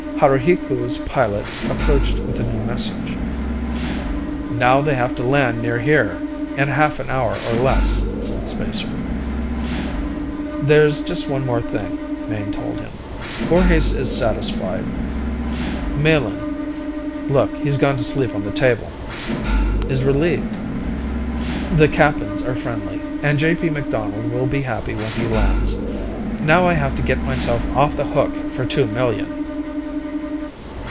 Haruhiku's pilot approached with a new message. "Now they have to land near here, in half an hour or less," said the spacer. "There's just one more thing," Mayne told him. "Voorhis is satisfied, Melin look, he's gone to sleep on the table! is relieved, the Kappans are friendly, and J. P. McDonald will be happy when he lands. Now I have to get myself off the hook for two million!"